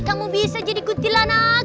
kamu bisa jadi kuntilanak